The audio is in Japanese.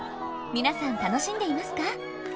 皆さん楽しんでいますか？